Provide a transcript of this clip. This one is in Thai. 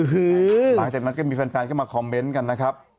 หลังจากนั้นก็มีแฟนเข้ามาคอมเมนต์กันนะครับ